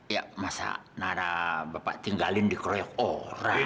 ya masa nara bapak tinggalin di kroyok orang